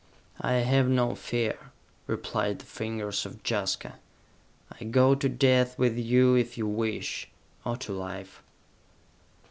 "I have no fear," replied the fingers of Jaska. "I go to death with you if you wish or to Life!"